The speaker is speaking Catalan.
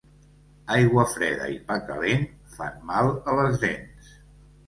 Aigua freda i pa calent fan mal a les dents.